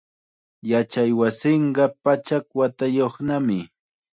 Yachaywasinqa pachak watayuqnami.